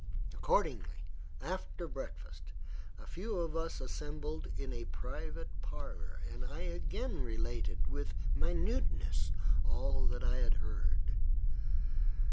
Accordingly, after breakfast, a few of us assembled in a private parlour, and I again related, with minuteness, all that I had heard.